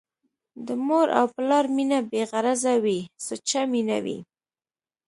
د مور او پلار مينه بې غرضه وي ، سوچه مينه وي